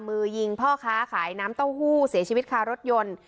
มือยิงพ่อค้าขายน้ำเต้าหู้เสียชีวิตคารถยนต์